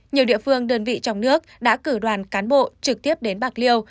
nhiều địa phương đơn vị trong nước đã cử đoàn cán bộ trực tiếp đến bạc liêu